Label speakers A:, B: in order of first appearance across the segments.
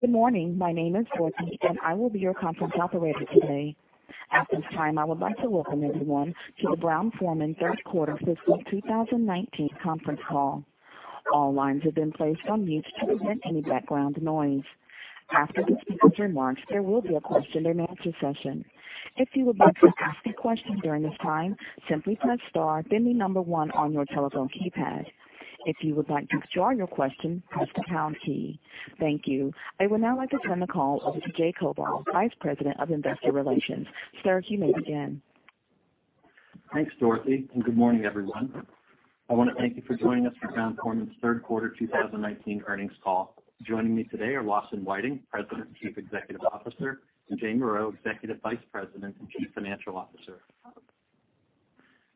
A: Good morning. My name is Dorothy, and I will be your conference operator today. At this time, I would like to welcome everyone to the Brown-Forman third quarter fiscal 2019 conference call. All lines have been placed on mute to prevent any background noise. After the speakers' remarks, there will be a question-and-answer session. If you would like to ask a question during this time, simply press star, then the number one on your telephone keypad. If you would like to withdraw your question, press the pound key. Thank you. I would now like to turn the call over to Jay Koval, Vice President of Investor Relations. Sir, you may begin.
B: Thanks, Dorothy, and good morning, everyone. I want to thank you for joining us for Brown-Forman's third quarter 2019 earnings call. Joining me today are Lawson Whiting, President and Chief Executive Officer, and Jane Morreau, Executive Vice President and Chief Financial Officer.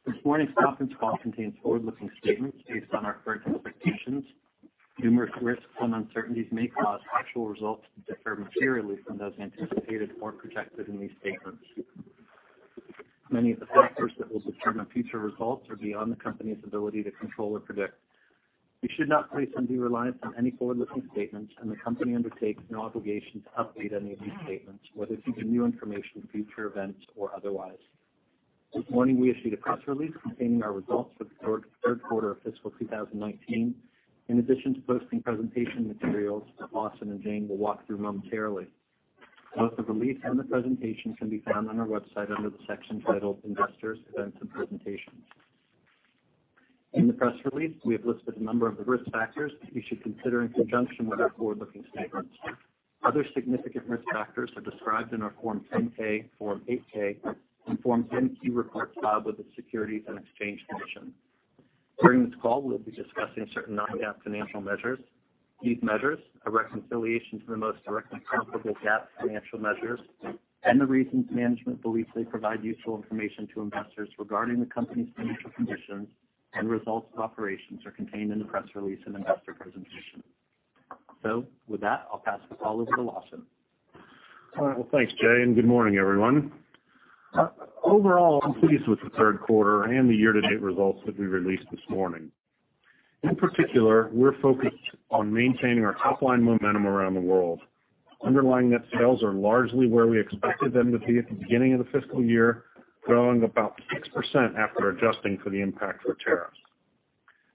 B: This morning's conference call contains forward-looking statements based on our current expectations. Numerous risks and uncertainties may cause actual results to differ materially from those anticipated or projected in these statements. Many of the factors that will determine future results are beyond the company's ability to control or predict. You should not place undue reliance on any forward-looking statements, and the company undertakes no obligation to update any of these statements, whether due to new information, future events, or otherwise. This morning, we issued a press release containing our results for the third quarter of fiscal 2019, in addition to posting presentation materials that Lawson and Jane will walk through momentarily. Both the release and the presentation can be found on our website under the section titled Investors, Events and Presentations. In the press release, we have listed a number of the risk factors you should consider in conjunction with our forward-looking statements. Other significant risk factors are described in our Form 10-K, Form 8-K, and Form 10-Q reports filed with the Securities and Exchange Commission. During this call, we'll be discussing certain non-GAAP financial measures. These measures, a reconciliation to the most directly comparable GAAP financial measures, and the reasons management believes they provide useful information to investors regarding the company's financial conditions and results of operations, are contained in the press release and investor presentation. With that, I'll pass the call over to Lawson.
C: All right. Well, thanks, Jay, and good morning, everyone. Overall, I'm pleased with the third quarter and the year-to-date results that we released this morning. In particular, we're focused on maintaining our top-line momentum around the world. Underlying net sales are largely where we expected them to be at the beginning of the fiscal year, growing about 6% after adjusting for the impact of tariffs.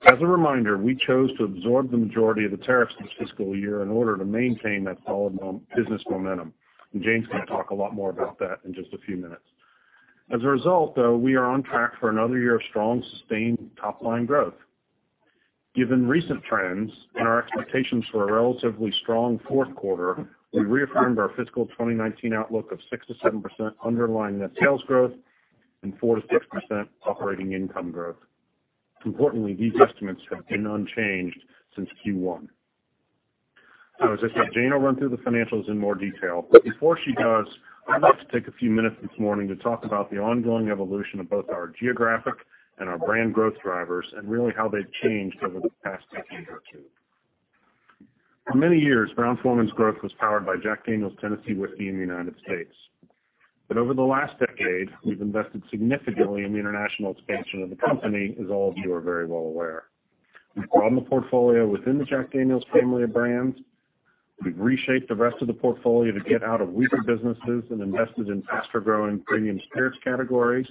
C: As a reminder, we chose to absorb the majority of the tariffs this fiscal year in order to maintain that solid business momentum, and Jane's going to talk a lot more about that in just a few minutes. As a result, though, we are on track for another year of strong, sustained top-line growth. Given recent trends and our expectations for a relatively strong fourth quarter, we reaffirmed our fiscal 2019 outlook of 6%-7% underlying net sales growth and 4%-6% operating income growth. Importantly, these estimates have been unchanged since Q1. As I said, Jane will run through the financials in more detail. Before she does, I'd like to take a few minutes this morning to talk about the ongoing evolution of both our geographic and our brand growth drivers, and really how they've changed over the past decade or two. For many years, Brown-Forman's growth was powered by Jack Daniel's Tennessee Whiskey in the U.S. Over the last decade, we've invested significantly in the international expansion of the company, as all of you are very well aware. We've broadened the portfolio within the Jack Daniel's family of brands. We've reshaped the rest of the portfolio to get out of weaker businesses and invested in faster-growing premium spirits categories.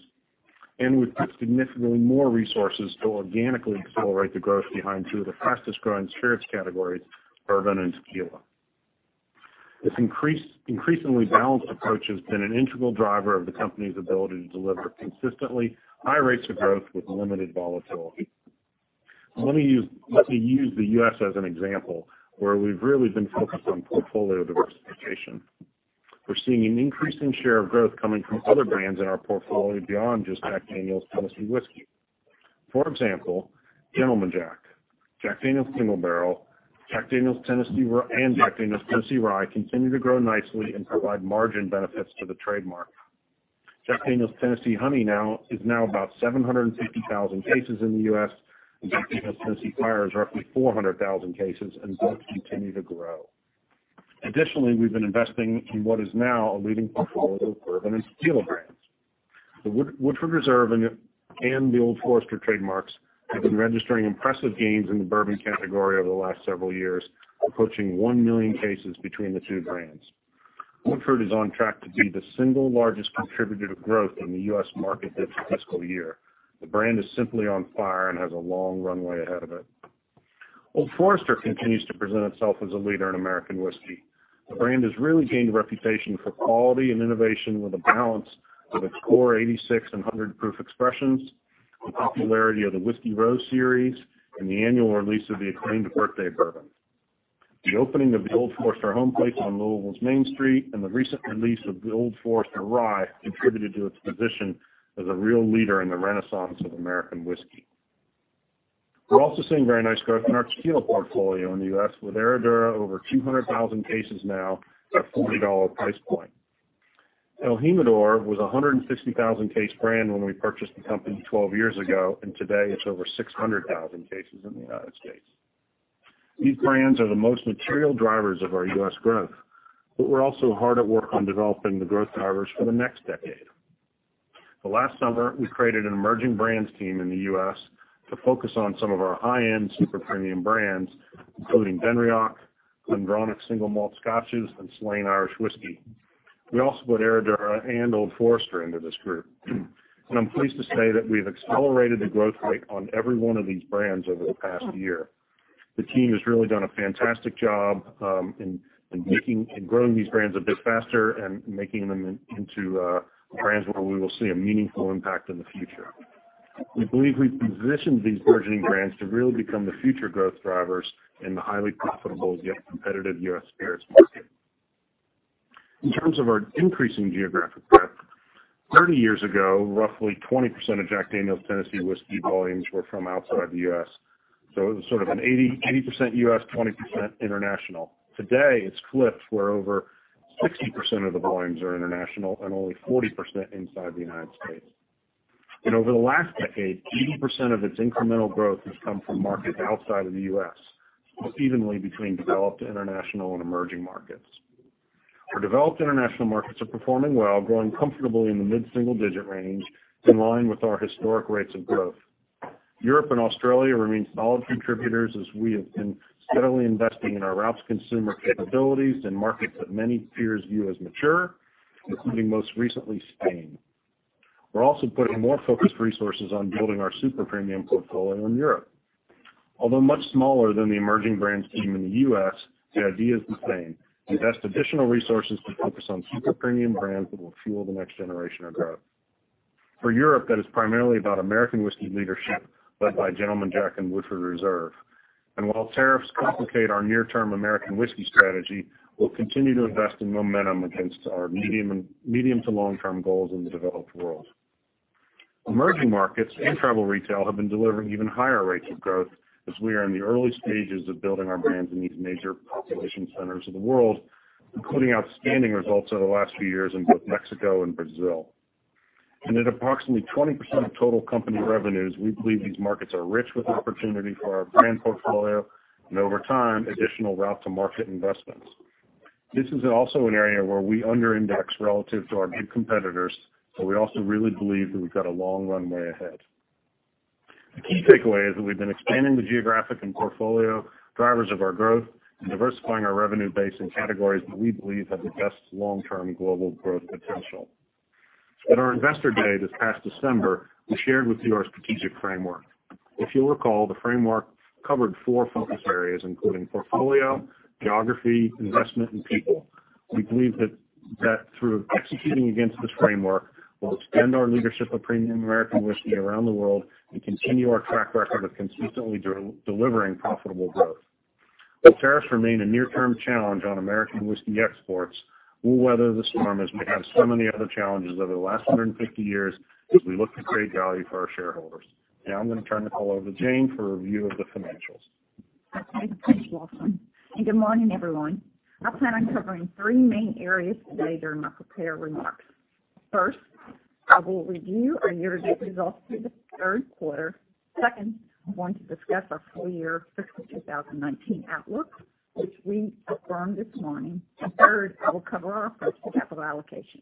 C: We've put significantly more resources to organically accelerate the growth behind two of the fastest-growing spirits categories, bourbon and tequila. This increasingly balanced approach has been an integral driver of the company's ability to deliver consistently high rates of growth with limited volatility. Let me use the U.S. as an example, where we've really been focused on portfolio diversification. We're seeing an increasing share of growth coming from other brands in our portfolio beyond just Jack Daniel's Tennessee Whiskey. For example, Gentleman Jack Daniel's Single Barrel, and Jack Daniel's Tennessee Rye continue to grow nicely and provide margin benefits to the trademark. Jack Daniel's Tennessee Honey is now about 750,000 cases in the U.S., and Jack Daniel's Tennessee Fire is roughly 400,000 cases, and both continue to grow. Additionally, we've been investing in what is now a leading portfolio of bourbon and tequila brands. The Woodford Reserve and the Old Forester trademarks have been registering impressive gains in the bourbon category over the last several years, approaching 1 million cases between the two brands. Woodford is on track to be the single largest contributor to growth in the U.S. market this fiscal year. The brand is simply on fire and has a long runway ahead of it. Old Forester continues to present itself as a leader in American whiskey. The brand has really gained a reputation for quality and innovation with a balance of its core 86 and 100 proof expressions, the popularity of the Whiskey Row Series, and the annual release of the acclaimed Birthday Bourbon. The opening of the Old Forester Homeplace on Louisville's Main Street and the recent release of the Old Forester Rye contributed to its position as a real leader in the renaissance of American whiskey. We're also seeing very nice growth in our tequila portfolio in the U.S., with Herradura over 200,000 cases now at a $40 price point. el Jimador was a 160,000-case brand when we purchased the company 12 years ago, and today it's over 600,000 cases in the United States. These brands are the most material drivers of our U.S. growth, but we're also hard at work on developing the growth drivers for the next decade. Last summer, we created an emerging brands team in the U.S. to focus on some of our high-end super premium brands, including Benriach, GlenDronach Single Malt Scotches, and Slane Irish Whiskey. We also put Herradura and Old Forester into this group. I'm pleased to say that we've accelerated the growth rate on every one of these brands over the past year. The team has really done a fantastic job in making and growing these brands a bit faster and making them into brands where we will see a meaningful impact in the future. We believe we've positioned these burgeoning brands to really become the future growth drivers in the highly profitable yet competitive U.S. spirits market. In terms of our increasing geographic breadth, 30 years ago, roughly 20% of Jack Daniel's Tennessee Whiskey volumes were from outside the U.S. It was an 80% U.S., 20% international. Today it's flipped, where over 60% of the volumes are international and only 40% inside the United States. Over the last decade, 80% of its incremental growth has come from markets outside of the U.S., split evenly between developed international and emerging markets. Our developed international markets are performing well, growing comfortably in the mid-single-digit range, in line with our historic rates of growth. Europe and Australia remain solid contributors as we have been steadily investing in our routes-to-consumer capabilities in markets that many peers view as mature, including most recently, Spain. We're also putting more focused resources on building our super premium portfolio in Europe. Although much smaller than the emerging brands team in the U.S., the idea is the same: invest additional resources to focus on super premium brands that will fuel the next generation of growth. For Europe, that is primarily about American whiskey leadership, led by Gentleman Jack and Woodford Reserve. While tariffs complicate our near-term American whiskey strategy, we'll continue to invest in momentum against our medium to long-term goals in the developed world. Emerging markets and travel retail have been delivering even higher rates of growth as we are in the early stages of building our brands in these major population centers of the world, including outstanding results over the last few years in both Mexico and Brazil. At approximately 20% of total company revenues, we believe these markets are rich with opportunity for our brand portfolio, and over time, additional route-to-market investments. This is also an area where we under-index relative to our big competitors, we also really believe that we've got a long runway ahead. The key takeaway is that we've been expanding the geographic and portfolio drivers of our growth and diversifying our revenue base in categories that we believe have the best long-term global growth potential. At our Investor Day this past December, we shared with you our strategic framework. If you'll recall, the framework covered four focus areas, including portfolio, geography, investment, and people. We believe that through executing against this framework, we'll extend our leadership of premium American whiskey around the world and continue our track record of consistently delivering profitable growth. While tariffs remain a near-term challenge on American whiskey exports, we'll weather the storm as we have so many other challenges over the last 150 years, as we look to create value for our shareholders. I'm going to turn the call over to Jane for a review of the financials.
D: Okay. Thanks, Lawson. Good morning, everyone. I plan on covering three main areas today during my prepared remarks. First, I will review our year-to-date results through the third quarter. Second, I'm going to discuss our full-year fiscal 2019 outlook, which we affirmed this morning. Third, I will cover our approach to capital allocation.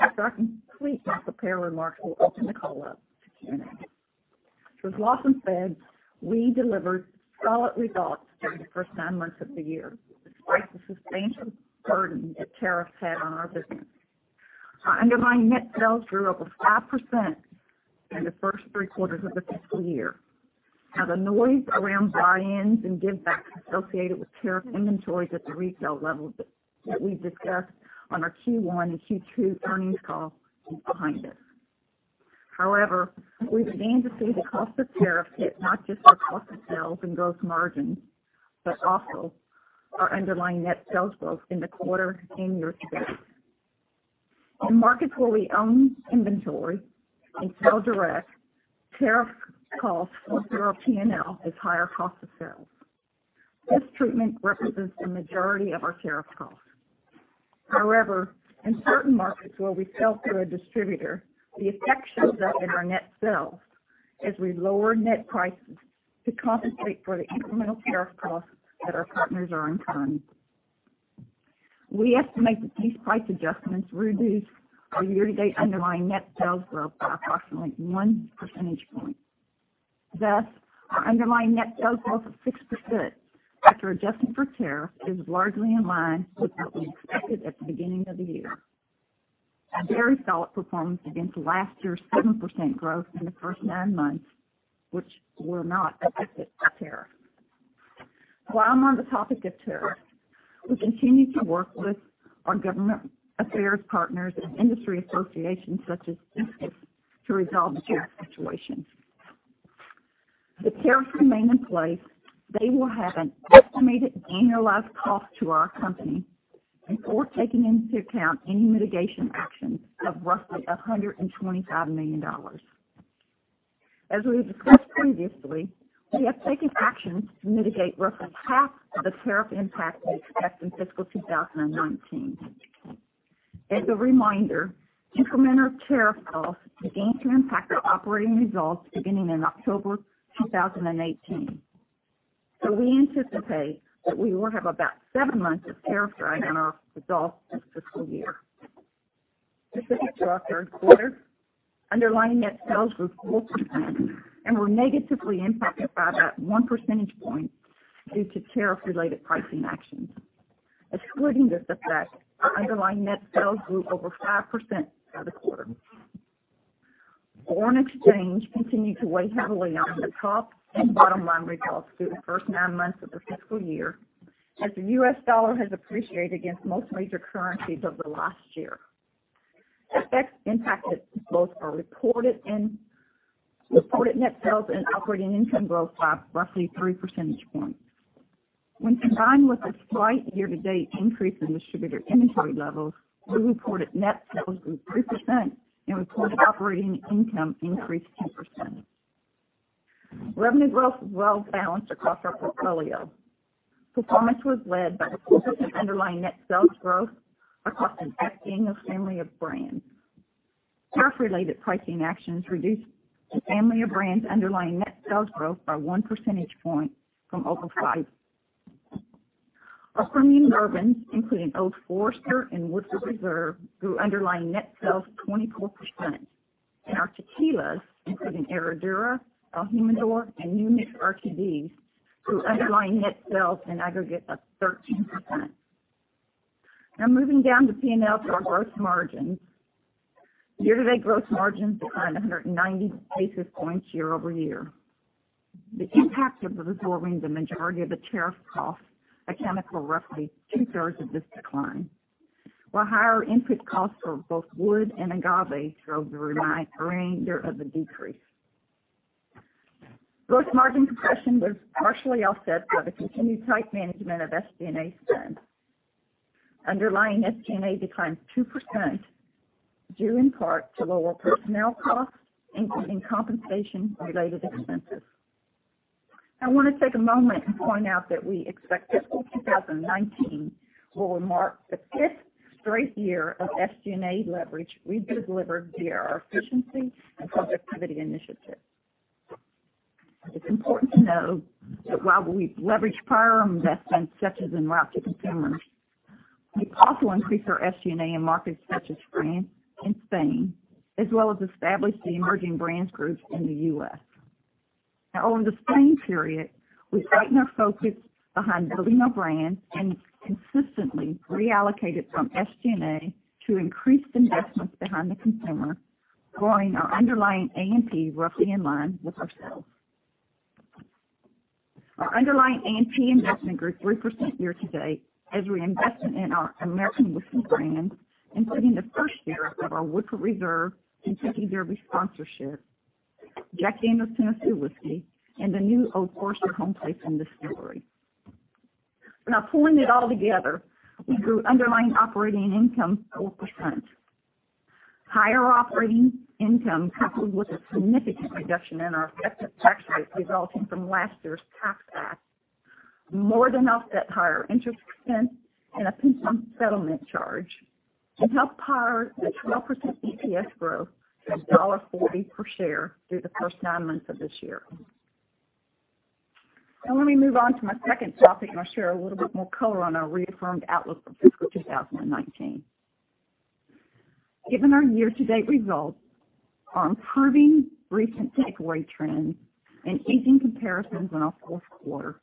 D: After I complete my prepared remarks, we'll open the call up to Q&A. As Lawson said, we delivered solid results during the first nine months of the year, despite the substantial burden that tariffs had on our business. Our underlying net sales grew over five percent in the first three quarters of the fiscal year. The noise around buy-ins and give backs associated with tariff inventories at the retail level that we discussed on our Q1 and Q2 earnings call is behind us. However, we began to see the cost of tariffs hit not just our cost of sales and gross margins, but also our underlying net sales growth in the quarter and year to date. In markets where we own inventory and sell direct, tariff costs go through our P&L as higher cost of sales. This treatment represents the majority of our tariff costs. However, in certain markets where we sell through a distributor, the effect shows up in our net sales as we lower net prices to compensate for the incremental tariff costs that our partners are incurring. We estimate that these price adjustments reduce our year-to-date underlying net sales growth by approximately one percentage point. Thus, our underlying net sales growth of six percent, after adjusting for tariff, is largely in line with what we expected at the beginning of the year. A very solid performance against last year's seven percent growth in the first nine months, which were not affected by tariff. While I'm on the topic of tariffs, we continue to work with our government affairs partners and industry associations such as DISCUS to resolve the tariff situation. If the tariffs remain in place, they will have an estimated annualized cost to our company before taking into account any mitigation actions of roughly $125 million. As we have discussed previously, we have taken actions to mitigate roughly half of the tariff impact we expect in fiscal 2019. As a reminder, incremental tariff costs began to impact our operating results beginning in October 2018. We anticipate that we will have about seven months of tariff drag on our results this fiscal year. Switching to our third quarter, underlying net sales grew 4% and were negatively impacted by that one percentage point due to tariff-related pricing actions. Excluding this effect, our underlying net sales grew over 5% for the quarter. Foreign exchange continued to weigh heavily on the top and bottom line results through the first nine months of the fiscal year, as the U.S. dollar has appreciated against most major currencies over the last year. This impact has pushed both our reported net sales and operating income growth by roughly three percentage points. When combined with a slight year-to-date increase in distributor inventory levels, our reported net sales grew 3% and reported operating income increased 10%. Revenue growth was well-balanced across our portfolio. Performance was led by the strength of underlying net sales growth across the Jack Daniel's family of brands. Tariff-related pricing actions reduced the family of brands' underlying net sales growth by one percentage point from over five. Our premium bourbons, including Old Forester and Woodford Reserve, grew underlying net sales 24%, and our tequilas, including Herradura, el Jimador, and new RTDs, grew underlying net sales in aggregate of 13%. Moving down the P&L to our gross margins. Year-to-date gross margins declined 190 basis points year-over-year. The impact of absorbing the majority of the tariff cost accounted for roughly two-thirds of this decline, while higher input costs for both wood and agave drove the remainder of the decrease. Gross margin compression was partially offset by the continued tight management of SG&A spend. Underlying SG&A declined 2%, due in part to lower personnel costs, including compensation-related expenses. I want to take a moment and point out that we expect fiscal 2019 will mark the fifth straight year of SG&A leverage we've delivered via our efficiency and productivity initiatives. It's important to note that while we've leveraged prior investments such as in route-to-consumer, we've also increased our SG&A in markets such as France and Spain, as well as established the emerging brands group in the U.S. Over the same period, we've heightened our focus behind building our brands and consistently reallocated from SG&A to increase investments behind the consumer, growing our underlying A&P roughly in line with our sales. Our underlying A&P investment grew 3% year-to-date as we invested in our American whiskey brands, including the first year of our Woodford Reserve Kentucky Derby sponsorship, Jack Daniel's Tennessee Whiskey, and the new Old Forester Homeplace and Distillery. Pulling it all together, we grew underlying operating income 4%. Higher operating income, coupled with a significant reduction in our effective tax rate resulting from last year's Tax Act, more than offset higher interest expense and a pension settlement charge, and helped power the 12% EPS growth to $1.40 per share through the first nine months of this year. Let me move on to my second topic, and I'll share a little bit more color on our reaffirmed outlook for fiscal 2019. Given our year-to-date results, our improving recent takeaway trends, and easing comparisons in our fourth quarter,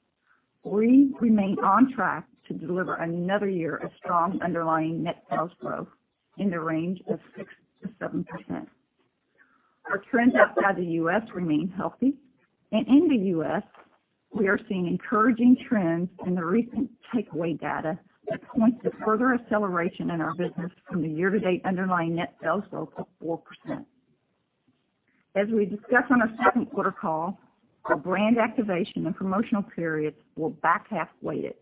D: we remain on track to deliver another year of strong underlying net sales growth in the range of 6%-7%. Our trends outside the U.S. remain healthy. In the U.S., we are seeing encouraging trends in the recent takeaway data that points to further acceleration in our business from the year-to-date underlying net sales growth of 4%. As we discussed on our second quarter call, our brand activation and promotional periods were back-half weighted.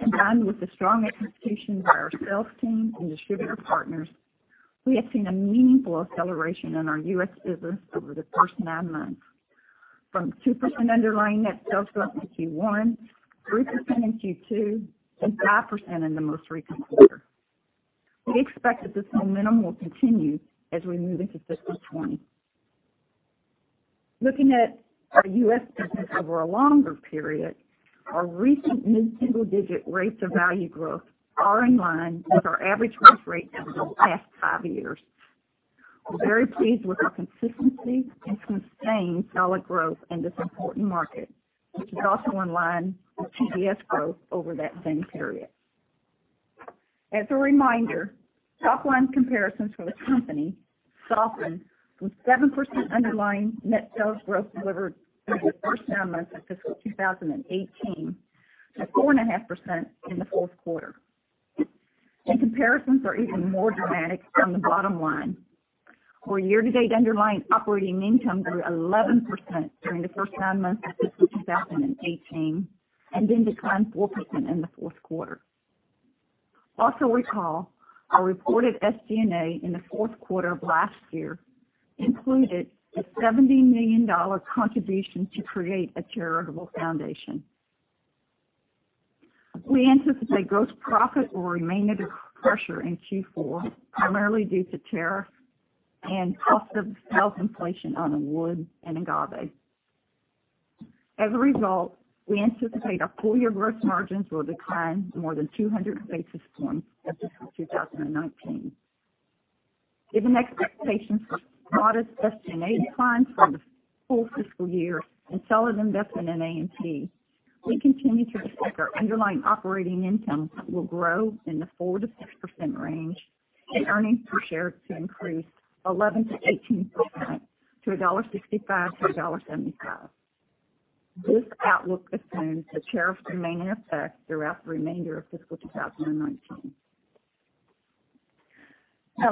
D: Combined with the strong execution by our sales team and distributor partners, we have seen a meaningful acceleration in our U.S. business over the first nine months. From 2% underlying net sales growth in Q1, 3% in Q2, and 5% in the most recent quarter. We expect that this momentum will continue as we move into fiscal 2020. Looking at our U.S. business over a longer period, our recent mid-single-digit rates of value growth are in line with our average growth rate over the last five years. We're very pleased with the consistency and sustained solid growth in this important market, which is also in line with TDS growth over that same period. As a reminder, top-line comparisons for the company softened from 7% underlying net sales growth delivered through the first nine months of fiscal 2018 to 4.5% in the fourth quarter. Comparisons are even more dramatic on the bottom line, where year-to-date underlying operating income grew 11% during the first nine months of fiscal 2018 and then declined 4% in the fourth quarter. Also recall, our reported SG&A in the fourth quarter of last year included a $70 million contribution to create a charitable foundation. We anticipate gross profit will remain under pressure in Q4, primarily due to tariffs and cost of sales inflation on wood and agave. As a result, we anticipate our full-year gross margins will decline more than 200 basis points versus 2019. Given expectations for modest Adjusted Net declines for the full fiscal year and the sell of investment in A&P, we continue to expect our underlying operating income will grow in the 4%-6% range and earnings per share to increase 11%-18%, to $1.65-$1.75. This outlook assumes the tariffs remain in effect throughout the remainder of fiscal 2019.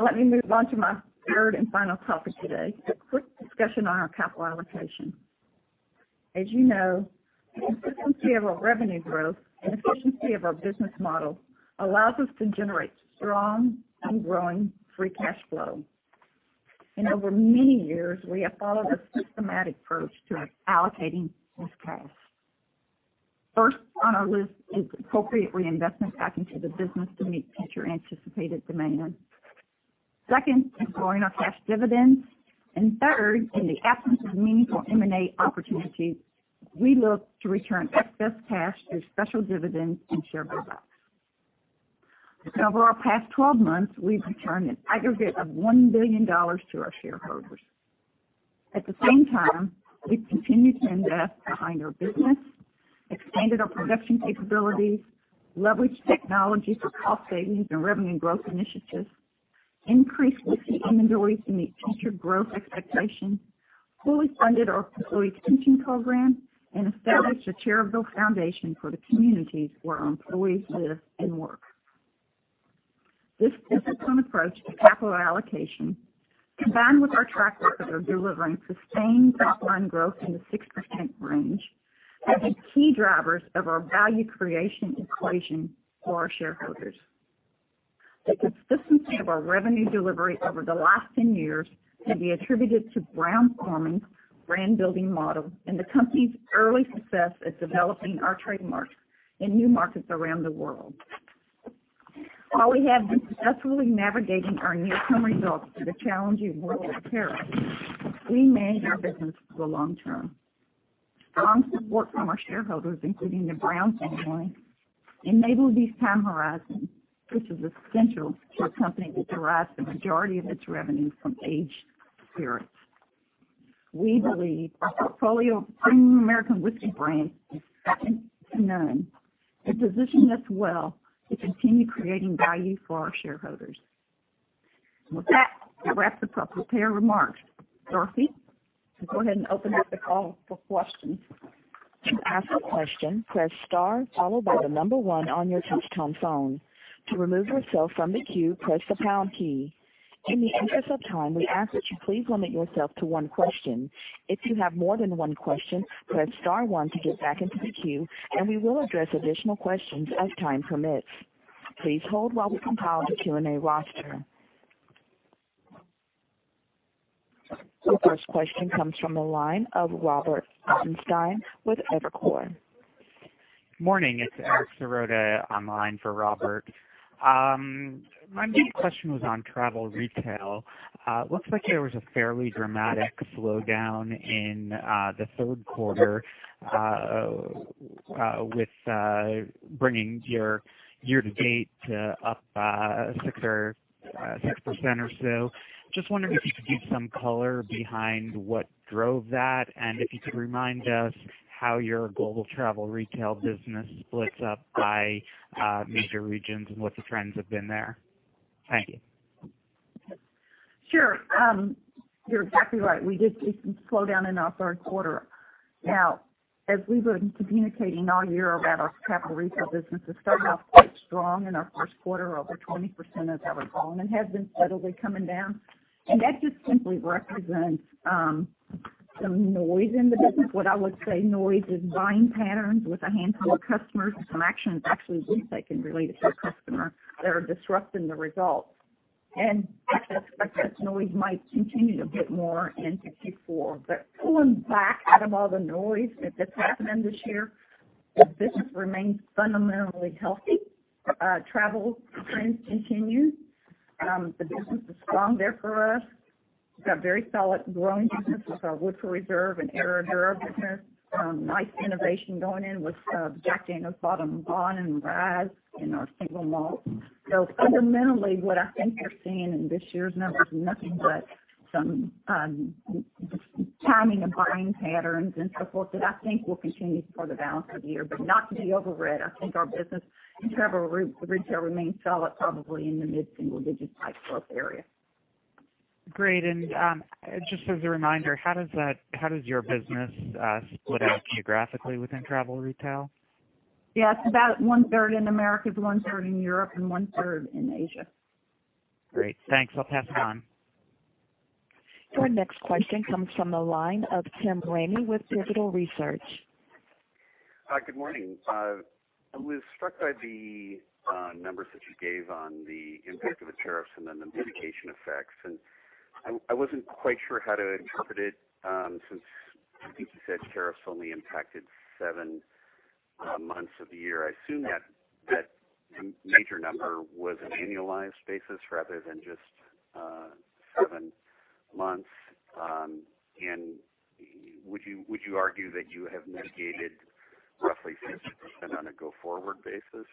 D: Let me move on to my third and final topic today, a quick discussion on our capital allocation. As you know, the consistency of our revenue growth and efficiency of our business model allows us to generate strong and growing free cash flow. Over many years, we have followed a systematic approach to allocating this cash. First on our list is appropriate reinvestment back into the business to meet future anticipated demand. Second is growing our cash dividends, and third, in the absence of meaningful M&A opportunities, we look to return excess cash through special dividends and share buybacks. Over our past 12 months, we've returned an aggregate of $1 billion to our shareholders. At the same time, we've continued to invest behind our business, expanded our production capabilities, leveraged technology for cost savings and revenue growth initiatives, increased whiskey inventories to meet future growth expectations, fully funded our employee pension program, and established a charitable foundation for the communities where our employees live and work. This disciplined approach to capital allocation, combined with our track record of delivering sustained top-line growth in the 6% range, have been key drivers of our value creation equation for our shareholders. The consistency of our revenue delivery over the last 10 years can be attributed to Brown-Forman's brand-building model and the company's early success at developing our trademarks in new markets around the world. While we have been successfully navigating our near-term results through the challenging world of tariffs, we manage our business for the long term. Strong support from our shareholders, including the Brown family, enable these time horizons, which is essential for a company that derives the majority of its revenue from aged spirits. We believe our portfolio of premium American whiskey brands is second to none and positions us well to continue creating value for our shareholders. With that wraps up my prepared remarks. Dorothy, go ahead and open up the call for questions.
A: To ask a question, press star, followed by the number 1 on your touch-tone phone. To remove yourself from the queue, press the pound key. In the interest of time, we ask that you please limit yourself to 1 question. If you have more than 1 question, press star 1 to get back into the queue, and we will address additional questions as time permits. Please hold while we compile the Q&A roster. The first question comes from the line of Robert Ottenstein with Evercore.
E: Morning. It's Eric Serotta on the line for Robert. My main question was on travel retail. Looks like there was a fairly dramatic slowdown in the third quarter, with bringing your year-to-date up 6% or so. Just wondering if you could give some color behind what drove that, and if you could remind us how your global travel retail business splits up by major regions and what the trends have been there. Thank you.
D: Sure. You're exactly right. We did see some slowdown in our third quarter. As we've been communicating all year about our travel retail business, it started off quite strong in our first quarter, over 20% I've ever seen, and has been steadily coming down. That just simply represents some noise in the business. What I would say noise is buying patterns with a handful of customers and some actions actually we've taken related to a customer that are disrupting the results. I suspect that noise might continue a bit more into Q4. Pulling back out of all the noise that's happened this year, the business remains fundamentally healthy. Travel trends continue. The business is strong there for us. We've got very solid growing business with our Woodford Reserve and Herradura business. Nice innovation going in with Jack Daniel's Bottled-in-Bond and Rye in our single malt. Fundamentally, what I think you're seeing in this year's numbers is nothing but some timing of buying patterns and so forth that I think will continue for the balance of the year. Not to be overread, I think our business in travel retail remains solid, probably in the mid-single digit type growth area.
E: Great. Just as a reminder, how does your business split out geographically within travel retail?
D: It's about one-third in Americas, one-third in Europe, and one-third in Asia.
E: Great. Thanks. I'll pass it on.
A: Your next question comes from the line of Tim Ramey with Pivotal Research.
F: Good morning. I was struck by the OND numbers that you gave on the impact of the tariffs and then the mitigation effects, and I wasn't quite sure how to interpret it since I think you said tariffs only impacted seven months of the year. I assume that major number was an annualized basis rather than just seven months. Would you argue that you have mitigated roughly 50% on a go-forward basis?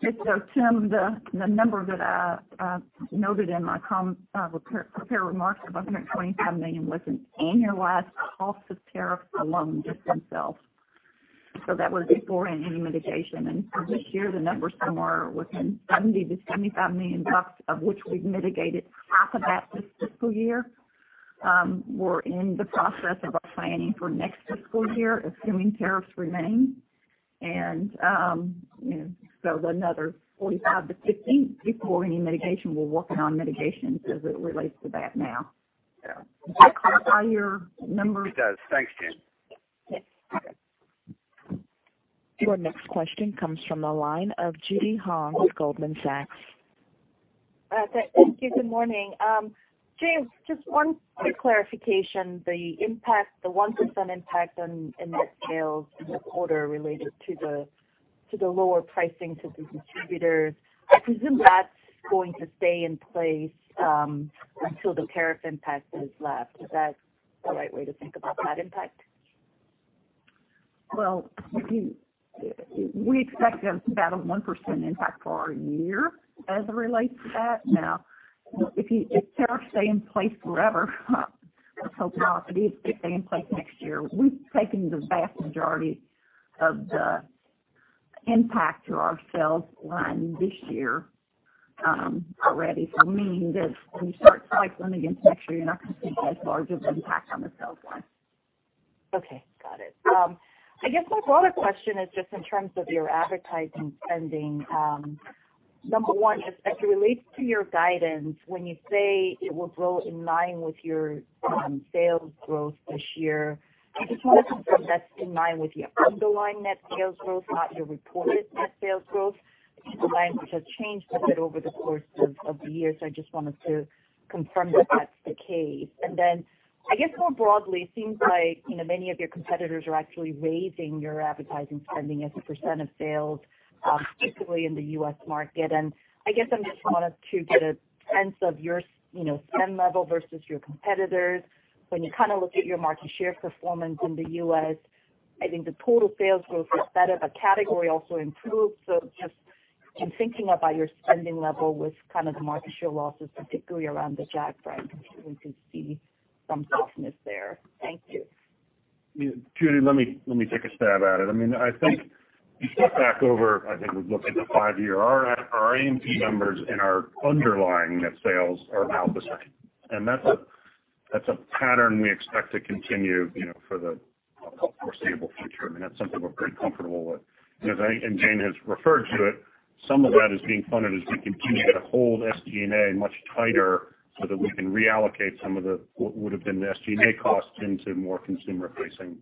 D: Yes. Tim, the number that I noted in my prepared remarks of $127 million was an annualized cost of tariff alone, just themselves. That was before any mitigation. For this year, the number somewhere within $70 million-$75 million, of which we've mitigated half of that this fiscal year. We're in the process of our planning for next fiscal year, assuming tariffs remain. Another $45 million-$50 million before any mitigation. We're working on mitigations as it relates to that now.
F: Yeah.
D: Does that clarify your numbers?
F: It does. Thanks, Jane.
D: Yes.
A: Your next question comes from the line of Judy Hong with Goldman Sachs.
G: Thank you. Good morning. Jane, just one quick clarification. The 1% impact on net sales in the quarter related to the lower pricing to the distributors, I presume that's going to stay in place until the tariff impact has left. Is that the right way to think about that impact?
D: Well, we expect about a 1% impact for our year as it relates to that. If tariffs stay in place forever, let's hope not, but if they stay in place next year, we've taken the vast majority of the impact to our sales line this year already. Meaning that when you start cycling against next year, you're not going to see as large of impact on the sales line.
G: Okay. Got it. I guess my follow-up question is just in terms of your advertising spending. Number one is as it relates to your guidance, when you say it will grow in line with your sales growth this year, I just wanted to confirm that's in line with your underlying net sales growth, not your reported net sales growth. I think the line has changed a bit over the course of the year, so I just wanted to confirm that that's the case. I guess more broadly, it seems like many of your competitors are actually raising your advertising spending as a % of sales, particularly in the U.S. market. I guess I just wanted to get a sense of your spend level versus your competitors. When you look at your market share performance in the U.S., I think the total sales growth is better. The category also improved. Just in thinking about your spending level with the market share losses, particularly around the Jack brand, we could see some softness there. Thank you.
C: Judy, let me take a stab at it. I think if you look at the 5-year A&P numbers and our underlying net sales are about the same. That's a pattern we expect to continue for the foreseeable future. That's something we're pretty comfortable with. As Jane has referred to it, some of that is being funded as we continue to hold SG&A much tighter so that we can reallocate some of what would have been the SG&A costs into more consumer-facing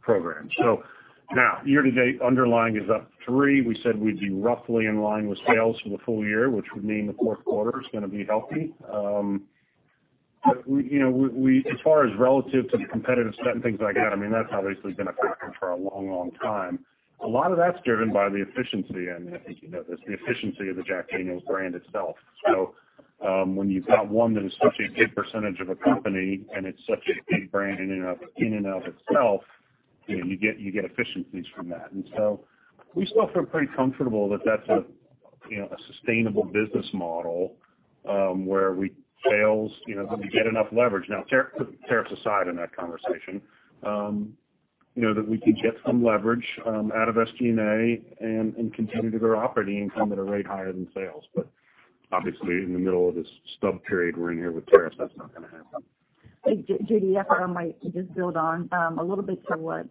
C: programs. Year-to-date underlying is up 3. We said we'd be roughly in line with sales for the full year, which would mean the fourth quarter is going to be healthy. As far as relative to the competitive spend, things like that's obviously been a factor for a long time. A lot of that's driven by the efficiency, and I think you know this, the efficiency of the Jack Daniel's brand itself. When you've got one that is such a big % of a company and it's such a big brand in and of itself, you get efficiencies from that. We still feel pretty comfortable that that's a sustainable business model, where sales, when you get enough leverage. Now tariffs aside in that conversation. That we can get some leverage out of SG&A and continue to grow operating income at a rate higher than sales. Obviously, in the middle of this stub period we're in here with tariffs, that's not going to happen.
D: Judy, if I might just build on a little bit to what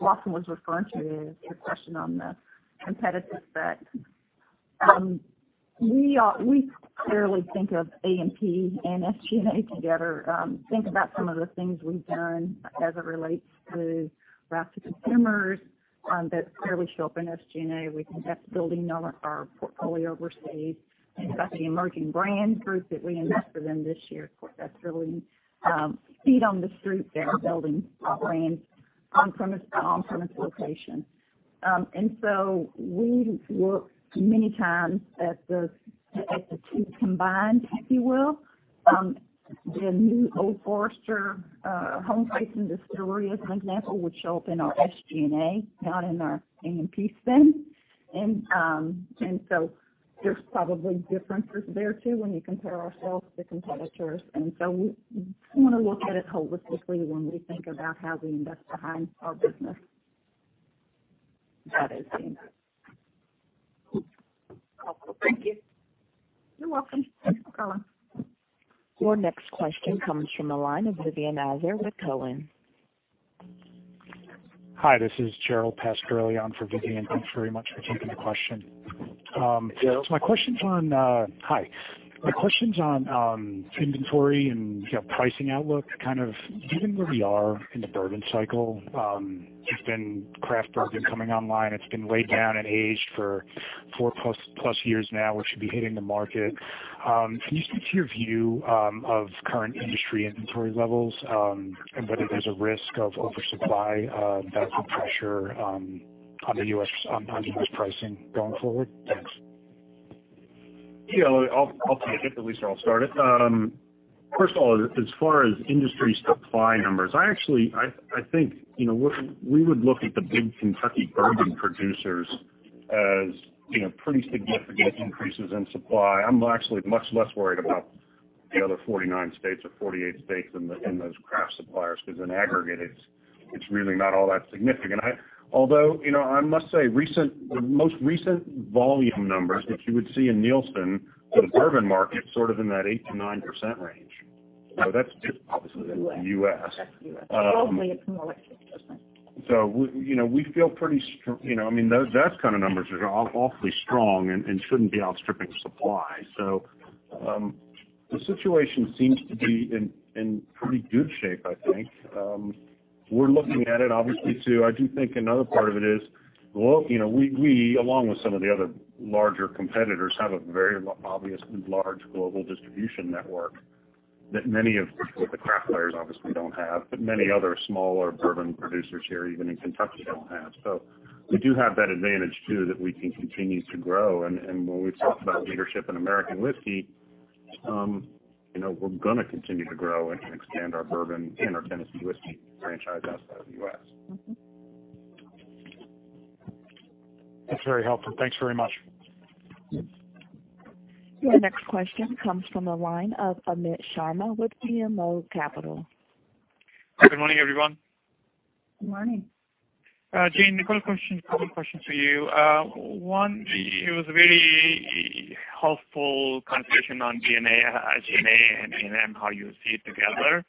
D: Lawson was referring to, your question on the competitive set. We clearly think of A&P and SG&A together. Think about some of the things we've done as it relates to route-to-consumer that clearly show up in SG&A. We think that's building our portfolio overseas. Think about the emerging brand group that we invested in this year. Of course, that's really feet on the street there, building brands on-premise location. We look many times at the two combined, if you will. The new Old Forester home place in distillery, as an example, would show up in our SG&A, not in our A&P spend. There's probably differences there, too, when you compare ourselves to competitors. We want to look at it holistically when we think about how we invest behind our business. That is the answer.
G: Awesome. Thank you.
D: You're welcome. Thanks for calling.
A: Your next question comes from the line of Vivien Azer with Cowen.
H: Hi, this is Gerald Pascarelli on for Vivien. Thanks very much for taking the question. Hi. My question's on inventory and pricing outlook, given where we are in the bourbon cycle. There's been craft bourbon coming online. It's been laid down and aged for 4+ years now, which should be hitting the market. Can you speak to your view of current industry inventory levels, and whether there's a risk of oversupply that would pressure on U.S. pricing going forward? Thanks.
C: I'll take it. At least I'll start it. First of all, as far as industry supply numbers, I think we would look at the big Kentucky bourbon producers as pretty significant increases in supply. I'm actually much less worried about the other 49 states or 48 states and those craft suppliers, because in aggregate, it's really not all that significant. Although, I must say, the most recent volume numbers that you would see in Nielsen for the bourbon market, sort of in that 8%-9% range.
D: US
C: US.
D: That's U.S. Globally, it's more like six or seven.
C: We feel those kind of numbers are awfully strong and shouldn't be outstripping supply. The situation seems to be in pretty good shape, I think. We're looking at it, obviously, too. I do think another part of it is, we, along with some of the other larger competitors, have a very obvious and large global distribution network that many of the craft players obviously don't have, but many other smaller bourbon producers here, even in Kentucky, don't have. We do have that advantage too, that we can continue to grow. When we talk about leadership in American whiskey, we're going to continue to grow and expand our bourbon and our Tennessee whiskey franchise outside the U.S.
H: That's very helpful. Thanks very much.
A: Your next question comes from the line of Amit Sharma with BMO Capital.
I: Good morning, everyone.
D: Good morning.
I: Jane, a couple questions for you. One, it was a very helpful conversation on G&A and how you see it together.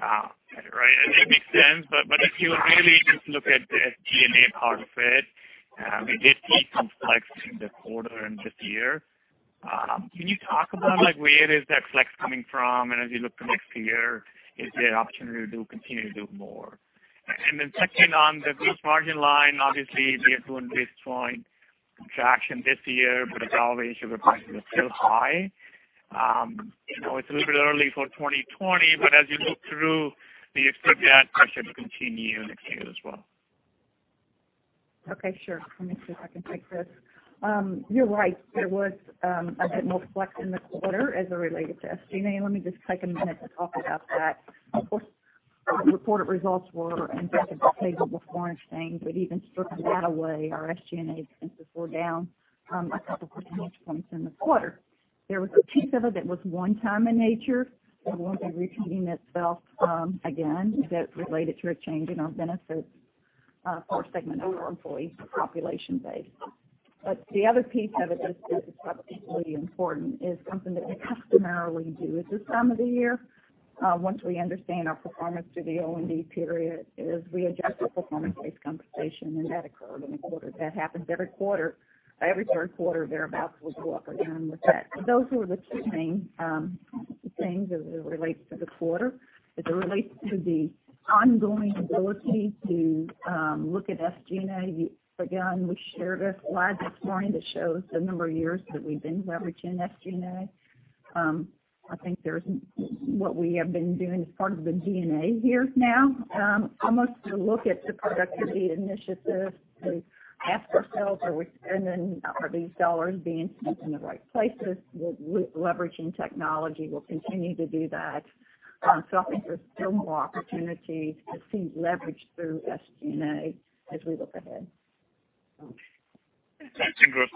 I: It makes sense. If you really just look at the G&A part of it, we did see some flexing this quarter and this year. Can you talk about where is that flex coming from? As you look to next year, is there opportunity to continue to do more? Second, on the gross margin line, obviously, we are doing basis point contraction this year, but the raw material prices are still high. I know it's a little bit early for 2020, but as you look through, do you expect that pressure to continue next year as well?
D: Okay, sure. Let me see if I can take this. You're right. There was a bit more flex in the quarter as it related to SG&A. Let me just take a minute to talk about that. Of course, the reported results were impacted by favorable variances, but even stripping that away, our SG&A expenses were down a couple percentage points in the quarter. There was a piece of it that was one-time in nature, that won't be repeating itself again. That's related to a change in our benefits for a segment of our employee population base. The other piece of it is, this is probably important, is something that we customarily do at this time of the year. Once we understand our performance through the OND period is we adjust for performance-based compensation, that occurred in the quarter. That happens every quarter, every third quarter, thereabout, we'll go up or down with that. Those were the two main things as it relates to the quarter. As it relates to the ongoing ability to look at SG&A, again, we shared a slide this morning that shows the number of years that we've been leveraging SG&A. I think what we have been doing is part of the G&A here now. Almost to look at the productivity initiatives, we ask ourselves, are these dollars being spent in the right places? We're leveraging technology. We'll continue to do that. I think there's still more opportunity to see leverage through SG&A as we look ahead.
I: Gross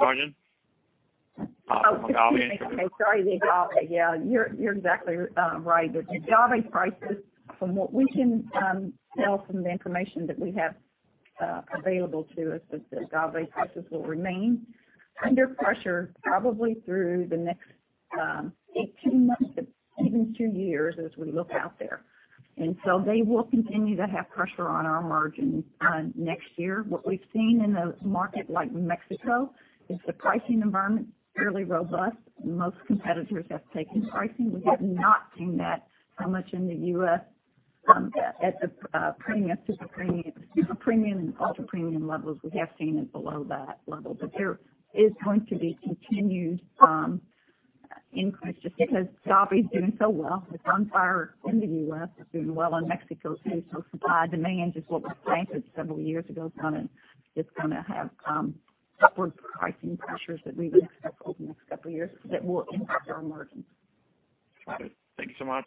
I: margin? For agave.
D: Sorry, the agave. You're exactly right. The agave prices, from what we can tell from the information that we have available to us, the agave prices will remain under pressure probably through the next 18 months to even two years as we look out there. They will continue to have pressure on our margins next year. What we've seen in a market like Mexico, is the pricing environment fairly robust, and most competitors have taken pricing. We have not seen that so much in the U.S. at the super premium and ultra premium levels. We have seen it below that level. There is going to be continued increase just because agave's doing so well. It's on fire in the U.S. It's doing well in Mexico, too. Supply/demand, just what was planted several years ago, is going to have upward pricing pressures that we would expect over the next couple of years that will impact our margins.
I: Got it. Thank you so much.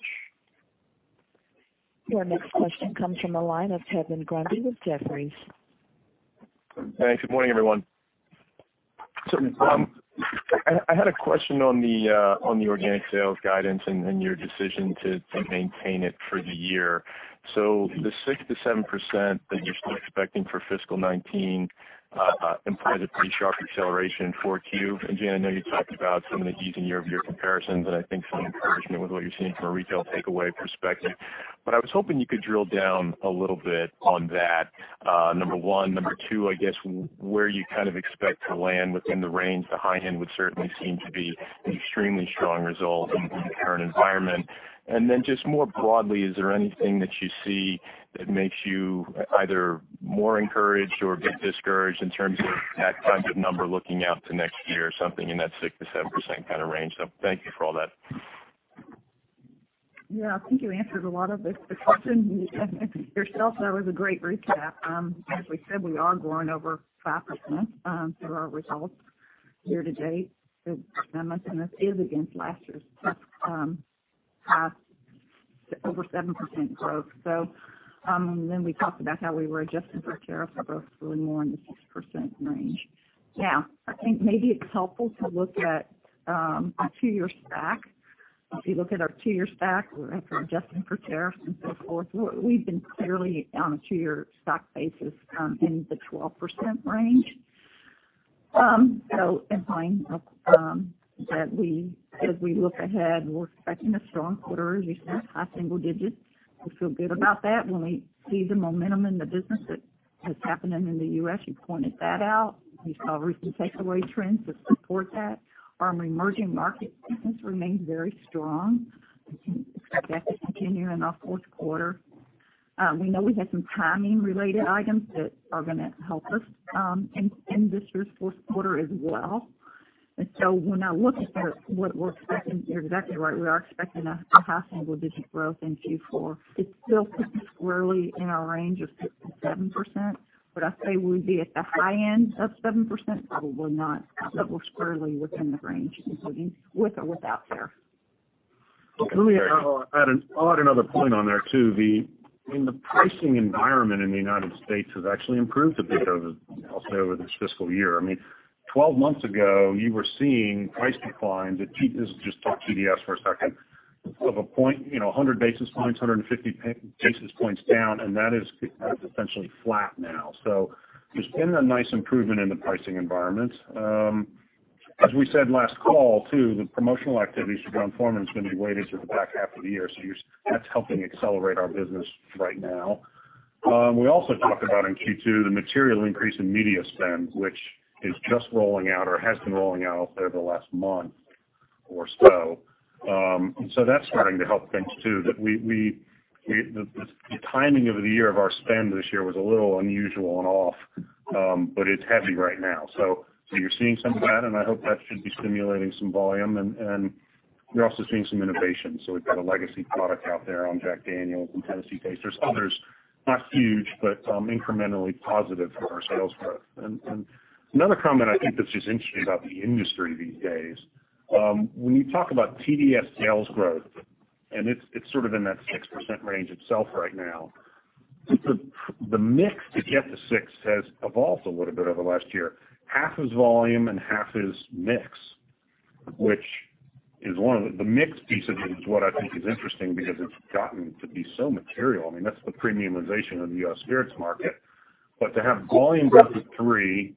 A: Your next question comes from the line of Kevin Grundy with Jefferies.
J: Thanks. Good morning, everyone. I had a question on the organic sales guidance and your decision to maintain it for the year. The 6%-7% that you're still expecting for fiscal 2019 implies a pretty sharp acceleration in 4Q. Jane, I know you talked about some of the easing year-over-year comparisons, and I think some encouragement with what you're seeing from a retail takeaway perspective. I was hoping you could drill down a little bit on that, number 1. Number 2, I guess, where you kind of expect to land within the range. The high end would certainly seem to be an extremely strong result in the current environment. Just more broadly, is there anything that you see that makes you either more encouraged or a bit discouraged in terms of that type of number looking out to next year, something in that 6%-7% kind of range? Thank you for all that.
D: I think you answered a lot of the question yourself. That was a great recap. As we said, we are growing over 5% for our results year to date. As I mentioned, this is against last year's tough path, over 7% growth. We talked about how we were adjusting for tariffs that are really more in the 6% range. I think maybe it's helpful to look at a two-year stack. If you look at our two-year stack after adjusting for tariffs and so forth, we've been clearly, on a two-year stack basis, in the 12% range. Implying that as we look ahead, we're expecting a strong quarter. As you said, high single digits. We feel good about that when we see the momentum in the business that is happening in the U.S. You pointed that out. We saw recent takeaway trends that support that. Our emerging market business remains very strong. We can expect that to continue in our fourth quarter. We know we had some timing-related items that are going to help us in this year's fourth quarter as well. When I look at what we're expecting, you're exactly right, we are expecting a high single-digit growth in Q4. It still sits squarely in our range of 6%-7%, but I'd say would we be at the high end of 7%? Probably not. We're squarely within the range, including with or without tariffs.
C: Let me add another point on there, too. The pricing environment in the U.S. has actually improved a bit over, I'll say, this fiscal year. 12 months ago, you were seeing price declines. Let's just talk TDS for a second. Of a point, 100 basis points, 150 basis points down, and that is essentially flat now. There's been a nice improvement in the pricing environment. As we said last call, too, the promotional activity for Brown-Forman is going to be weighted to the back half of the year. That's helping accelerate our business right now. We also talked about in Q2 the material increase in media spend, which is just rolling out or has been rolling out over the last month or so. That's starting to help things, too. The timing of the year of our spend this year was a little unusual and off, but it's heavy right now. You're seeing some of that, and I hope that should be stimulating some volume, and you're also seeing some innovation. We've got a legacy product out there on Jack Daniel's and Tennessee Travelers. There's others, not huge, but incrementally positive for our sales growth. Another comment I think that's just interesting about the industry these days, when you talk about TDS sales growth, and it's sort of in that 6% range itself right now, the mix to get to 6 has evolved a little bit over the last year. Half is volume and half is mix. The mix piece of it is what I think is interesting because it's gotten to be so material. That's the premiumization of the U.S. spirits market. To have volume growth of three,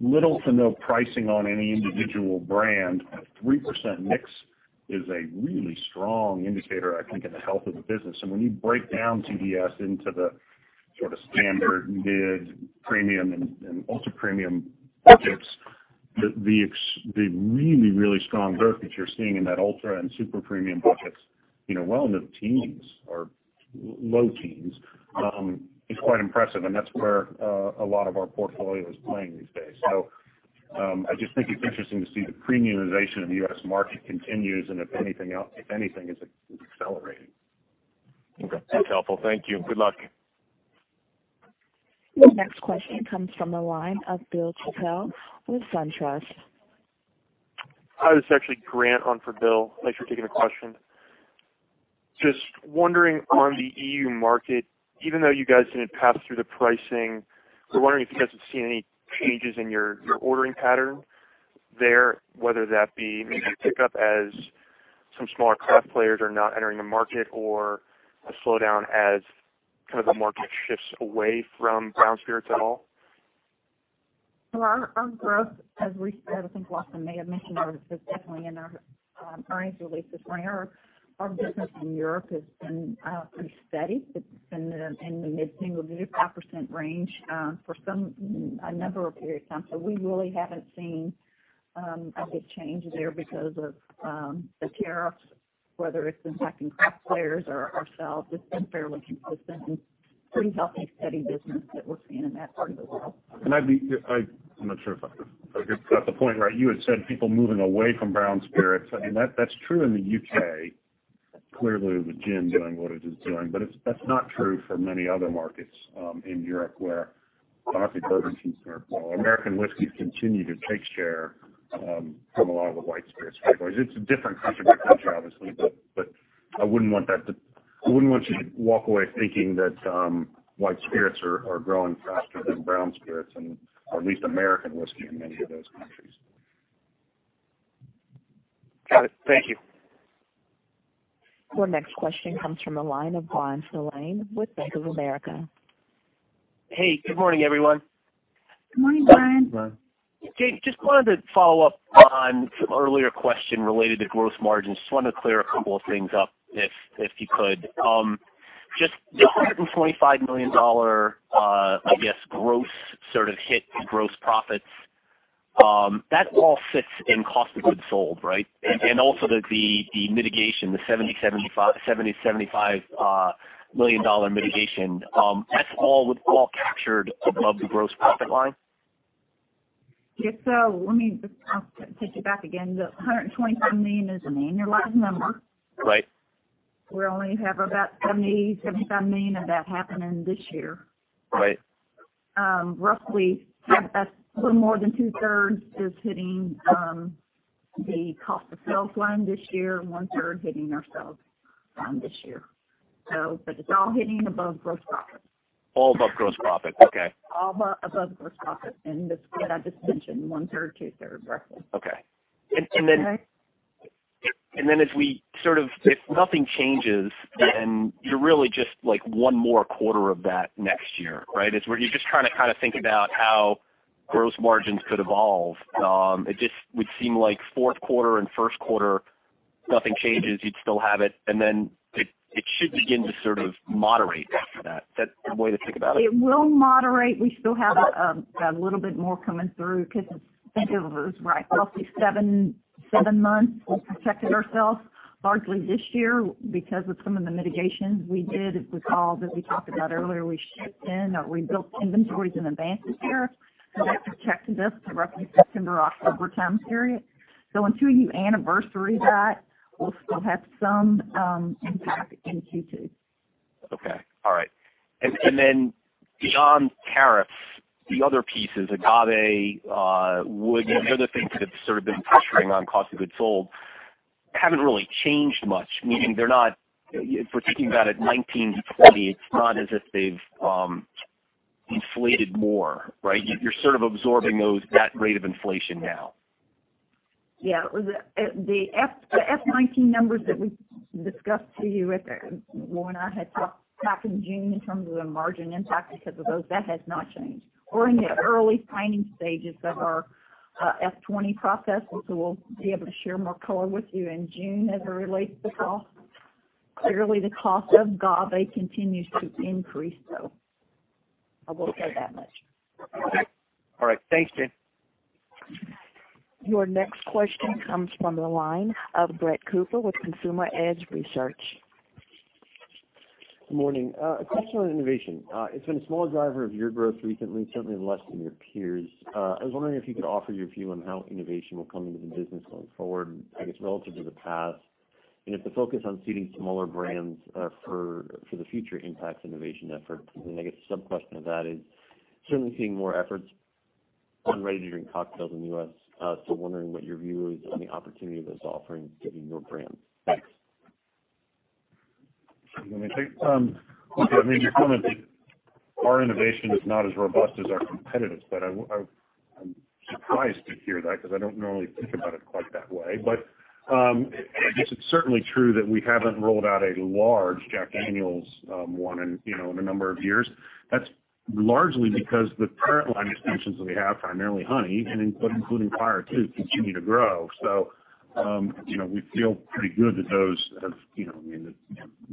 C: little to no pricing on any individual brand, a 3% mix is a really strong indicator, I think, in the health of the business. When you break down TDS into the sort of standard mid-premium and ultra-premium buckets, the really, really strong growth that you're seeing in that ultra and super premium buckets, well into teens or low teens, is quite impressive, and that's where a lot of our portfolio is playing these days. I just think it's interesting to see the premiumization of the U.S. market continues and if anything, it's accelerating.
J: Okay. That's helpful. Thank you. Good luck.
A: The next question comes from the line of Bill Chappell with SunTrust.
K: Hi, this is actually Grant on for Bill. Thanks for taking the question. Just wondering on the EU market, even though you guys didn't pass through the pricing, we're wondering if you guys have seen any changes in your ordering pattern there, whether that be maybe pick up as some smaller craft players are not entering the market or a slowdown as kind of the market shifts away from brown spirits at all?
D: Our growth has, I think Lawson may have mentioned this definitely in our earnings release this morning. Our business in Europe has been pretty steady. It's been in the mid-single digit, 5% range for a number of periods of time. We really haven't seen a big change there because of the tariffs, whether it's impacting craft players or ourselves. It's been fairly consistent and pretty healthy, steady business that we're seeing in that part of the world.
C: I'm not sure if I got the point right. You had said people moving away from brown spirits. I mean, that's true in the U.K., clearly, with gin doing what it is doing, but that's not true for many other markets in Europe where vodka, bourbon, and tequila, American whiskey continue to take share from a lot of the white spirits categories. It's a different country by country, obviously, but I wouldn't want you to walk away thinking that white spirits are growing faster than brown spirits and at least American whiskey in many of those countries.
K: Got it. Thank you.
A: Your next question comes from the line of Bryan Spillane with Bank of America.
L: Hey, good morning, everyone.
D: Good morning, Bryan.
L: Jane, just wanted to follow up on some earlier question related to gross margins. Just wanted to clear a couple of things up if you could. Just the $125 million, I guess, gross sort of hit gross profits. That all sits in cost of goods sold, right? Also the mitigation, the $70 million-$75 million mitigation. That's all captured above the gross profit line?
D: Yes, let me just take it back again. The $125 million is an annualized number.
L: Right.
D: We only have about $70 million to $75 million of that happening this year.
L: Right.
D: Roughly, a little more than two-thirds is hitting the cost of sales line this year, and one-third hitting ourselves this year. It's all hitting above gross profit.
L: All above gross profit. Okay.
D: All above gross profit. The split I just mentioned, one-third, two-thirds roughly.
L: Okay. If nothing changes.
D: Yeah
L: You're really just one more quarter of that next year, right? You're just trying to kind of think about how gross margins could evolve. It just would seem like fourth quarter and first quarter, nothing changes. You'd still have it, and then it should begin to sort of moderate after that. Is that the way to think about it?
D: It will moderate. We still have a little bit more coming through because spillovers, right? Roughly seven months we've protected ourselves largely this year because of some of the mitigations we did, as we talked about earlier, we shipped in or we built inventories in advance this year. That protected us to roughly September, October time period. Until you anniversary that, we'll still have some impact in Q2.
L: Okay. All right. Beyond tariffs, the other pieces, agave, wood, and the other things that have sort of been pressuring on cost of goods sold haven't really changed much, meaning they're not, if we're thinking about it 2019 to 2020, it's not as if they've inflated more, right? You're sort of absorbing that rate of inflation now.
D: Yeah. The FY 2019 numbers that we discussed to you, what I had talked back in June in terms of the margin impact because of those, that has not changed. We're in the early planning stages of our FY 2020 process, we'll be able to share more color with you in June as it relates to cost. Clearly, the cost of agave continues to increase, though. I will say that much.
L: Okay. All right. Thanks, Jane.
A: Your next question comes from the line of Brett Cooper with Consumer Edge Research.
M: Good morning. A question on innovation. It's been a small driver of your growth recently, certainly less than your peers. I was wondering if you could offer your view on how innovation will come into the business going forward, I guess, relative to the past, and if the focus on seeding smaller brands for the future impacts innovation efforts. I guess a sub-question of that is certainly seeing more efforts on ready-to-drink cocktails in the U.S. wondering what your view is on the opportunity that's offering given your brands. Thanks.
C: I mean, your comment that our innovation is not as robust as our competitors, I'm surprised to hear that because I don't normally think about it quite that way. I guess it's certainly true that we haven't rolled out a large Jack Daniel's one in a number of years. That's largely because the current line extensions that we have, primarily Honey, and including Fire too, continue to grow. We feel pretty good that those have, I mean,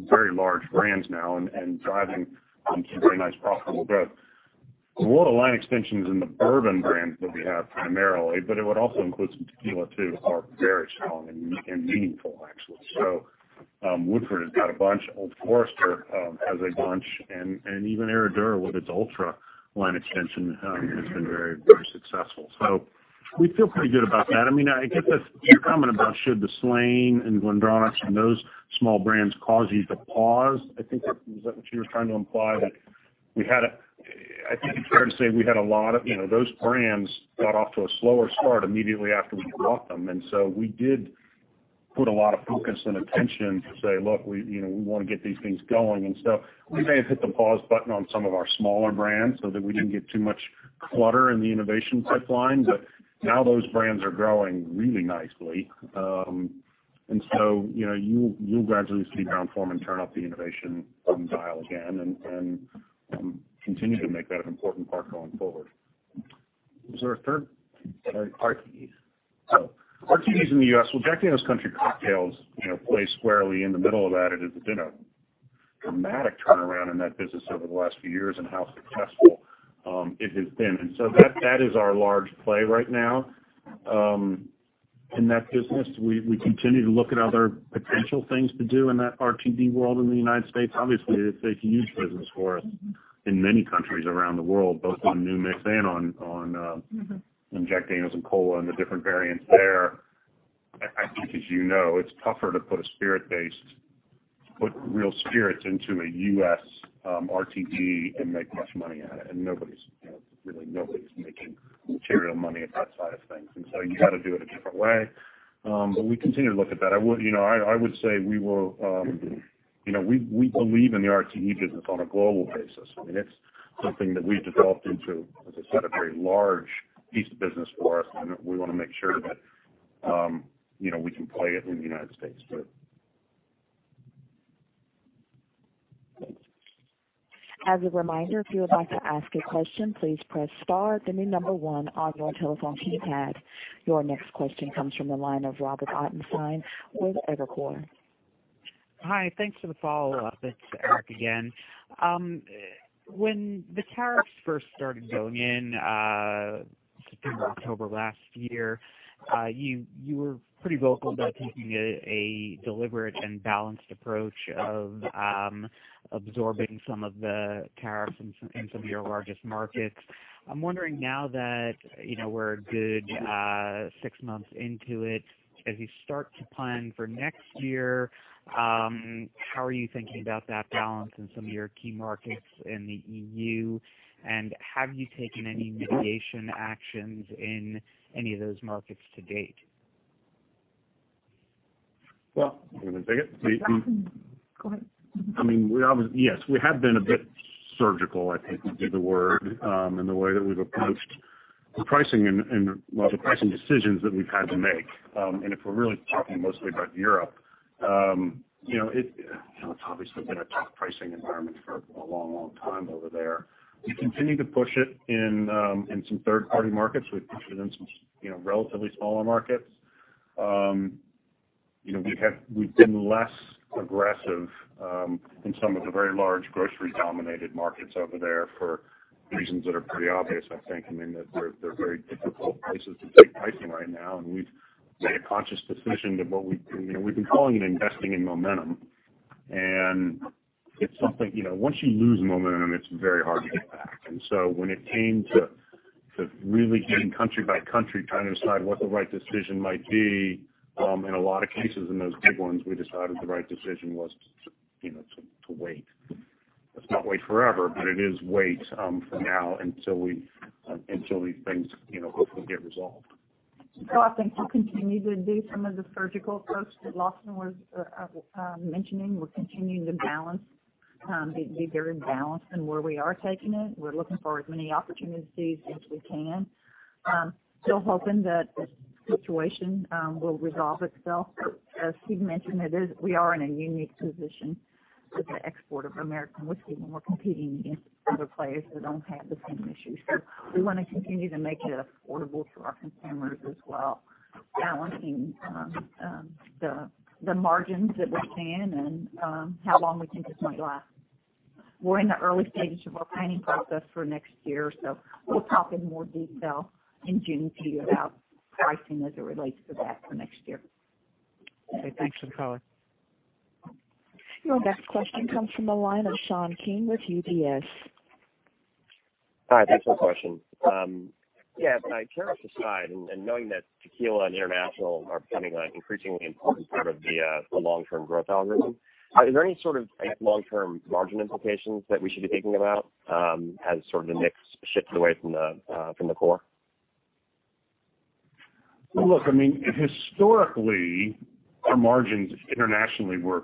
C: very large brands now and driving some very nice profitable growth. A lot of line extensions in the bourbon brands that we have primarily, but it would also include some tequila too, are very strong and meaningful actually. Woodford has got a bunch. Old Forester has a bunch. And even Herradura with its Ultra line extension has been very successful. We feel pretty good about that. I get that you're commenting about should the Slane and GlenDronach and those small brands cause you to pause? I think, is that what you were trying to imply? I think it's fair to say those brands got off to a slower start immediately after we bought them, we did put a lot of focus and attention to say, look, we want to get these things going. We may have hit the pause button on some of our smaller brands so that we didn't get too much clutter in the innovation pipeline. Now those brands are growing really nicely. You'll gradually see Brown-Forman turn up the innovation dial again and continue to make that an important part going forward.
M: Was there a third? Sorry.
C: RTDs. RTDs in the U.S., well, Jack Daniel's Country Cocktails play squarely in the middle of that. It has been a dramatic turnaround in that business over the last few years and how successful it has been. That is our large play right now. In that business, we continue to look at other potential things to do in that RTD world in the United States. Obviously, it's a huge business for us in many countries around the world, both on New Mix and on Jack Daniel's & Coca-Cola and the different variants there. I think, as you know, it's tougher to put a spirit-based, put real spirits into a U.S. RTD and make much money at it, and really nobody's making material money at that side of things. You got to do it a different way. We continue to look at that. I would say we believe in the RTD business on a global basis. I mean, it's something that we've developed into, as I said, a very large piece of business for us, and we want to make sure that we can play it in the United States.
A: As a reminder, if you would like to ask a question, please press star, then the number 1 on your telephone keypad. Your next question comes from the line of Robert Ottenstein with Evercore.
E: Hi, thanks for the follow-up. It's Eric again. When the tariffs first started going in, I think October last year, you were pretty vocal about taking a deliberate and balanced approach of absorbing some of the tariffs in some of your largest markets. I'm wondering now that we're a good six months into it, as you start to plan for next year, how are you thinking about that balance in some of your key markets in the EU? Have you taken any mitigation actions in any of those markets to date?
C: Well, you want me to take it?
D: Go ahead.
C: Yes, we have been a bit surgical, I think, to use the word, in the way that we've approached the pricing and a lot of the pricing decisions that we've had to make. If we're really talking mostly about Europe, it's obviously been a tough pricing environment for a long time over there. We continue to push it in some third-party markets. We've pushed it in some relatively smaller markets. We've been less aggressive in some of the very large grocery-dominated markets over there for reasons that are pretty obvious, I think. They're very difficult places to take pricing right now, and we've made a conscious decision to what we've been calling an investing in momentum. It's something, once you lose momentum, it's very hard to get back. When it came to really getting country by country, trying to decide what the right decision might be, in a lot of cases in those big ones, we decided the right decision was to wait. It's not wait forever, but it is wait for now until these things hopefully get resolved.
D: I think we'll continue to do some of the surgical approach that Lawson was mentioning. We're continuing to balance, be very balanced in where we are taking it. We're looking for as many opportunities as we can. Still hoping that the situation will resolve itself. As he mentioned, we are in a unique position with the export of American whiskey, and we're competing against other players that don't have the same issues. We want to continue to make it affordable for our consumers as well, balancing the margins that we can and how long we think this might last. We're in the early stages of our planning process for next year, so we'll talk in more detail in June to you about pricing as it relates to that for next year.
E: Okay. Thanks for the color.
A: Your next question comes from the line of Sean King with UBS.
N: Hi, thanks for the question. Yeah, tariffs aside, and knowing that tequila and international are becoming an increasingly important part of the long-term growth algorithm, are there any sort of long-term margin implications that we should be thinking about, as sort of the mix shifts away from the core?
C: Look, historically, our margins internationally were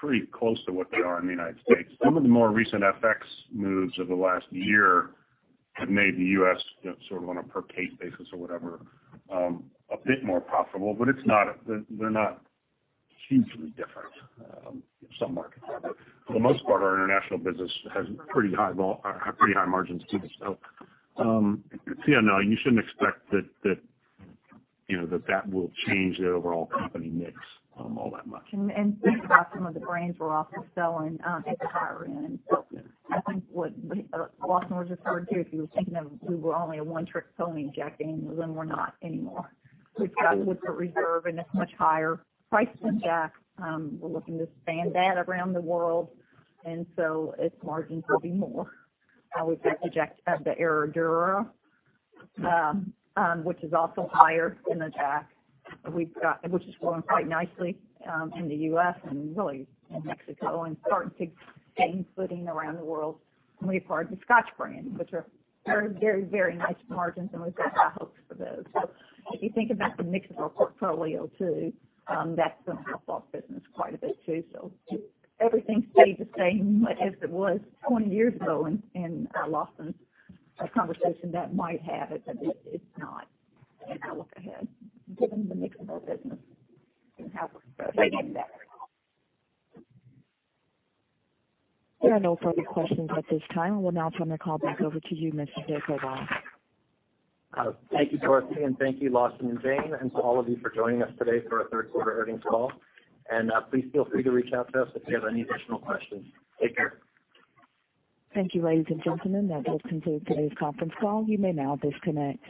C: pretty close to what they are in the United States. Some of the more recent FX moves over the last year have made the U.S. sort of on a per case basis or whatever, a bit more profitable, but they're not hugely different in some markets. For the most part, our international business has pretty high margins too. Yeah, no, you shouldn't expect that will change the overall company mix all that much.
D: think about some of the brands we're also selling at the higher end.
C: Yeah.
D: I think what Lawson was referring to, if you were thinking of we were only a one-trick pony, Jack Daniel's, and we're not anymore. We've got Woodford Reserve and it's much higher priced than Jack. We're looking to expand that around the world, and so its margins will be more. We've got the Herradura, which is also higher than the Jack, which is growing quite nicely in the U.S. and really in Mexico and starting to gain footing around the world. We have our Scotch brand, which are very nice margins, and we've got high hopes for those. If you think about the mix of our portfolio too, that's going to help our business quite a bit too. If everything stayed the same as it was 20 years ago in Lawson's conversation, that might have it, but it's not in our look ahead given the mix of our business and how we're progressing in that regard.
A: There are no further questions at this time. We'll now turn the call back over to you, Mr. Koval.
B: Thank you, Dorothy, and thank you, Lawson and Jane, and to all of you for joining us today for our third quarter earnings call. Please feel free to reach out to us if you have any additional questions. Take care.
A: Thank you, ladies and gentlemen. That does conclude today's conference call. You may now disconnect.